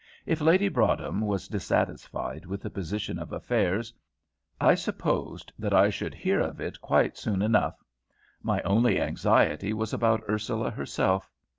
If Lady Broadhem was dissatisfied with the position of affairs, I supposed that I should hear of it quite soon enough; my only anxiety was about Ursula herself.